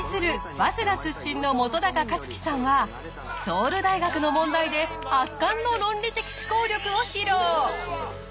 早稲田出身の本克樹さんはソウル大学の問題で圧巻の論理的思考力を披露！